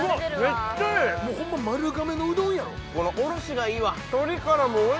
もうホンマ丸亀のうどんやん